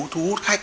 thu hút khách